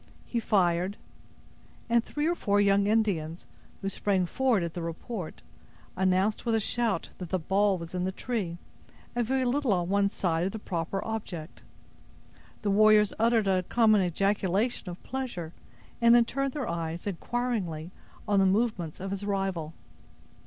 He fired; and three or four young Indians, who sprang forward at the report, announced with a shout, that the ball was in the tree, a very little on one side of the proper object. The warriors uttered a common ejaculation of pleasure, and then turned their eyes, inquiringly, on the movements of his rival.